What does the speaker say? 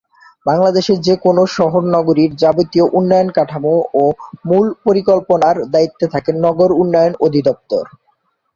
বাংলাদেশের যে কোনো শহর-নগরীর যাবতীয় উন্নয়ন কাঠামো ও মূল পরিকল্পনার দায়িত্বে থাকে নগর উন্নয়ন অধিদপ্তর।